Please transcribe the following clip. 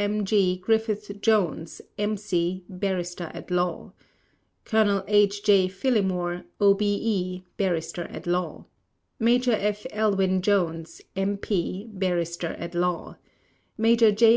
M. G. Griffith Jones, M.C., Barrister at Law Colonel H. J. Phillimore, O.B.E., Barrister at Law Major F. Elwyn Jones, M.P., Barrister at Law Major J.